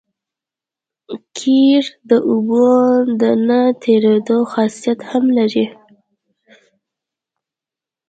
قیر د اوبو د نه تېرېدو خاصیت هم لري